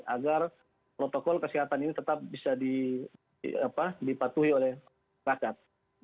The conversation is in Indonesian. agar protokol kesehatan ini tetap bisa dipatuhi oleh rakyat